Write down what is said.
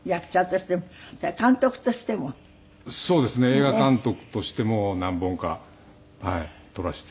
映画監督としても何本か撮らせて頂きました。